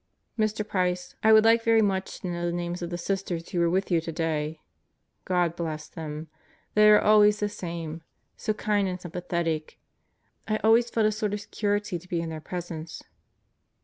Mr. Price, I would like very much to know the names of the Sisters who were with you today. God bless them. They are always the same: so kind and sympathetic. I always felt a sort of security to be in their presence.